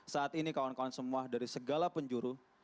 saat ini kawan kawan semua dari segala penjuru